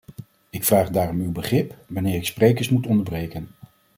Ik vraag daarom uw begrip wanneer ik sprekers moet onderbreken.